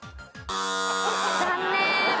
残念。